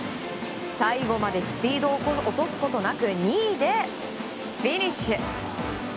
最後までスピードを落とすことなく２位でフィニッシュ。